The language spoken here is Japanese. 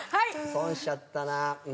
損しちゃったな。